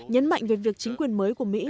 nhấn mạnh về việc chính quyền mới của mỹ